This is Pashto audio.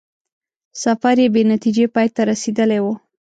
سفر یې بې نتیجې پای ته رسېدلی وو.